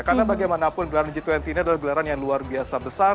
karena bagaimanapun gelaran g dua puluh ini adalah gelaran yang luar biasa besar